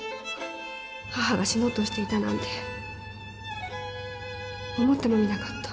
母が死のうとしていたなんて思ってもみなかった